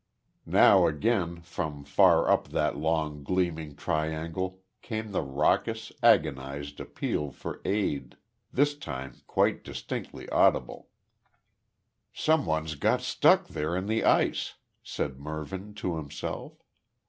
Now again, from far up that long gleaming triangle, came the raucous, agonised appeal for aid, this time quite distinctly audible. "Some one's got stuck there in the ice," said Mervyn to himself.